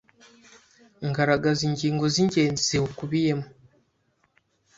ngaragaza ingingo z’ingenzi ziwukubiyemo.